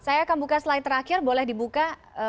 saya akan buka slide terakhir boleh dibuka